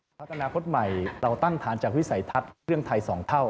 พักอนาคตใหม่เราตั้งฐานจากวิสัยทัศน์เรื่องไทย๒เท่า